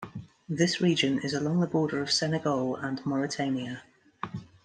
This region is along the border of Senegal and Mauritania.